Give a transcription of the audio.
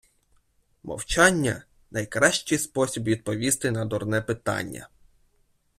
Мовчання - найкращий спосіб відповісти на дурне питання.